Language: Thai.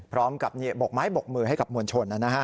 พร้อมกับบกไม้บกมือให้กับมวลชน